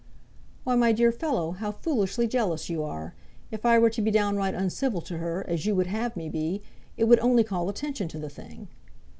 "Why, my dear fellow, how foolishly jealous you are. If I were to be downright uncivil to her, as you would have me be, it would only call attention to the thing."